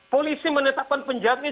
polisi menetapkan penjahat ini